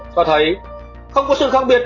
cho thấy không có sự khác biệt